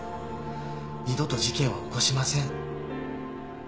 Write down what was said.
「二度と事件は起こしません」